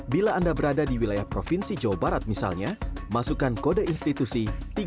bila anda berada di wilayah provinsi jawa barat misalnya masukkan kode institusi tiga